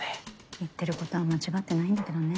言ってることは間違ってないんだけどね。